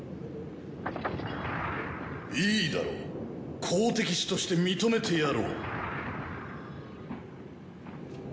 いいだろう好敵手として認めてやろう。